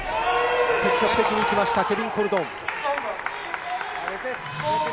積極的に行きました、ケビン・コルドン。